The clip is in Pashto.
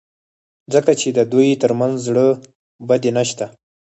ځکه چې د دوی ترمنځ زړه بدي نشته.